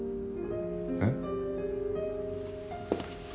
えっ？